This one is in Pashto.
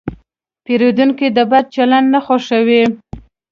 پیرودونکی د بد چلند نه خوښوي.